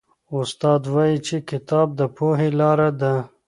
استاد وایي چي کتاب د پوهي لاره ده.